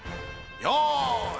よし！